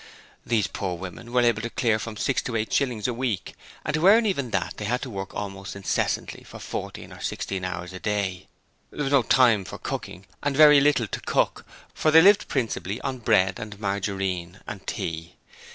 These poor women were able to clear from six to eight shillings a week: and to earn even that they had to work almost incessantly for fourteen or sixteen hours a day. There was no time for cooking and very little to cook, for they lived principally on bread and margarine and tea.